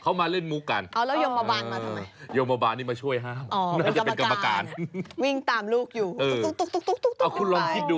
เขามาเล่นมุกกัน